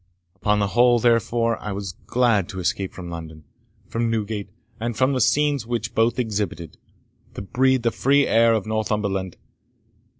Upon the whole, therefore, I was glad to escape from London, from Newgate, and from the scenes which both exhibited, to breathe the free air of Northumberland.